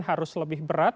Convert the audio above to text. harus lebih berat